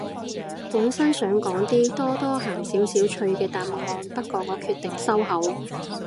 本身想講啲多多鹹少少趣嘅答案，不過我決定收口